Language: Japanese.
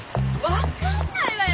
分かんないわよ